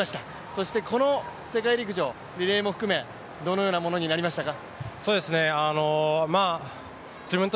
そしてこの世界陸上、リレーも含め、どのようなものになりましたか。